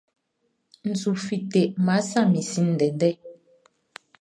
N su fite, Nʼma sa min sin ndɛndɛ.